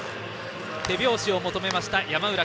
手拍子を求めた山浦。